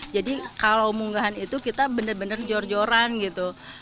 jadi kalau munggahan itu kita benar benar jor joran gitu